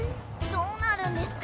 どうなるんですか？